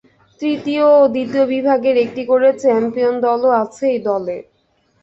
তৃতীয় ও দ্বিতীয় বিভাগের একটি করে চ্যাম্পিয়ন দলও আছে এই দলে।